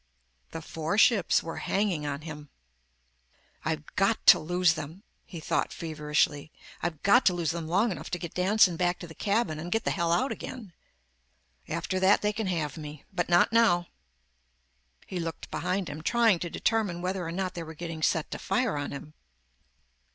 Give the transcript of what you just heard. The four ships were hanging on him. I've got to lose them, he thought feverishly. I've got to lose them long enough to get Danson back to the cabin and get the hell out again. After that, they can have me. But not now. He looked behind him, trying to determine whether or not they were getting set to fire on him.